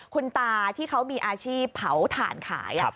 คุณตาที่เขามีอาชีพเผาถ่านขาย